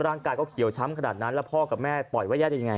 ร่างกายก็เขียวช้ำขนาดนั้นแล้วพ่อกับแม่ปล่อยว่าญาติได้ยังไง